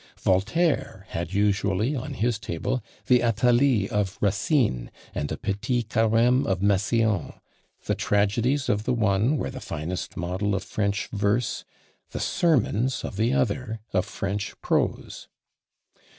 Voltaire had usually on his table the Athalie of Racine, and the Petit Carême of Massillon; the tragedies of the one were the finest model of French verse, the sermons of the other of French prose.